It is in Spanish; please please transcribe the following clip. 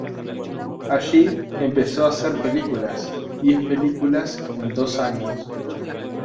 Allí empezó a hacer películas, diez películas en dos años.